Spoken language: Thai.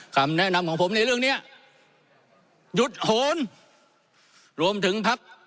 คำแนะนำของผมในเรื่องเนี้ยหยุดโหนรวมถึงพัก